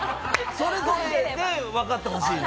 それぞれで分かってほしい。